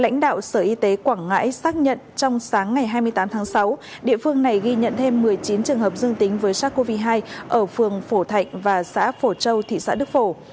lãnh đạo sở y tế quảng ngãi xác nhận trong sáng ngày hai mươi tám tháng sáu địa phương này ghi nhận thêm một mươi chín trường hợp dương tính với sars cov hai ở phường phổ thạnh và xã phổ châu thị xã đức phổ